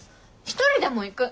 一人でも行く！